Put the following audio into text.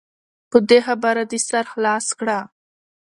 په دې خبره دې سر خلاص کړه .